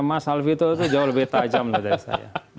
mas alvito itu jauh lebih tajam dari saya